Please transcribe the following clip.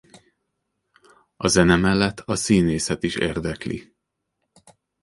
A zene mellett a színészet is érdekli.